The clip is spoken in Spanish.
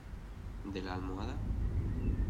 de la almohada?